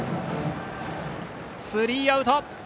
スリーアウト。